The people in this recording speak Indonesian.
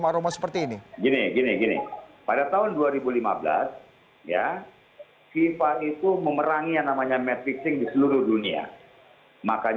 yang amerika terus gue akan melaksukinya sekarang